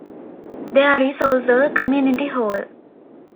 There is also a community hall.